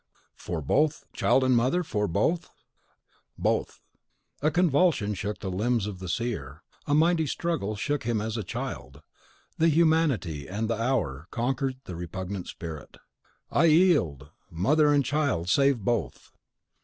"For both? child and mother, for both?" "Both!" A convulsion shook the limbs of the seer, a mighty struggle shook him as a child: the Humanity and the Hour conquered the repugnant spirit. "I yield! Mother and child save both!"